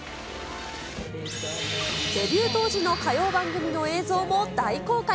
デビュー当時の歌謡番組の映像も大公開。